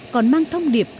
còn mang thông điệp